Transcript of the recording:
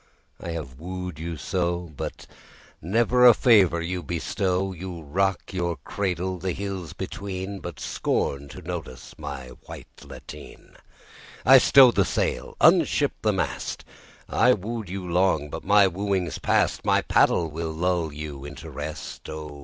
I have wooed you so, But never a favour you bestow. You rock your cradle the hills between, But scorn to notice my white lateen. I stow the sail, unship the mast: I wooed you long but my wooing's past; My paddle will lull you into rest. O!